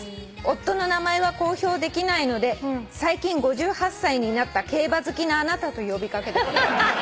「夫の名前は公表できないので最近５８歳になった競馬好きなあなたと呼びかけてください」